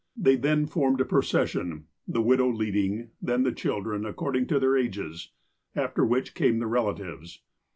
They then formed a procession, the widow leading, then the children, ac cording to their ages, after which came the relatives.